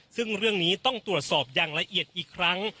ซึ่งเรื่องนี้ต้องตรวจสอบอย่างละเอียดอีกครั้ง